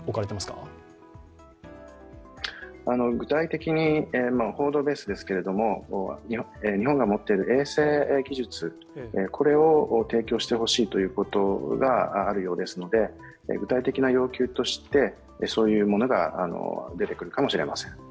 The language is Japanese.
具体的に、報道ベースですけど日本が持っている衛星技術、これを提供してほしいということがあるようですので、具体的な要求としてそういうものが出てくるかもしれません。